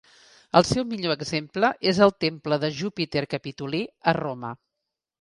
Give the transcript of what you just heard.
El seu millor exemple és el Temple de Júpiter Capitolí, a Roma.